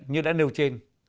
như đã nêu trên